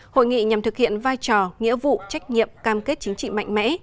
hội nghị nhằm thực hiện vai trò nghĩa vụ trách nhiệm cam kết chính trị mạnh mẽ